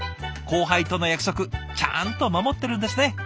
後輩との約束ちゃんと守ってるんですね。